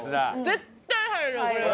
絶対入るこれは。